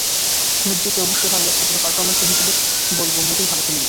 Match জিতে অবশ্যই ভালো লাগছে, তবে পারফরম্যান্সের হিসেবে বলব মোটেই ভালো খেলিনি।